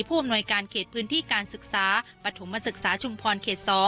อำนวยการเขตพื้นที่การศึกษาปฐมศึกษาชุมพรเขต๒